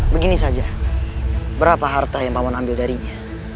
begini saja berapa harta yang pawon ambil darinya